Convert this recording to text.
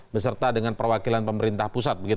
beserta dengan perwakilan pemerintah pusat